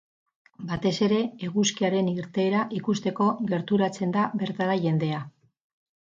Batez ere, eguzkiaren irteera ikusteko gerturatzen da bertara jendea.